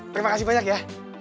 terima kasih banyak ya